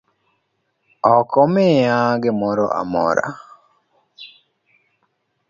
Ok omiya gimoramora